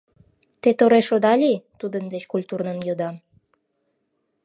Те тореш ода лий? — тудын деч культурнын йодам.